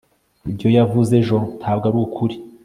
ibyo yavuze ejo ntabwo arukuri